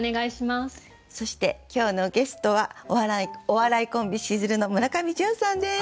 そして今日のゲストはお笑いコンビしずるの村上純さんです。